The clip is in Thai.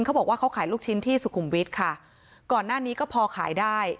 เขาบอกว่าเขาขายลูกชิ้นที่สุขุมวิทย์ค่ะก่อนหน้านี้ก็พอขายได้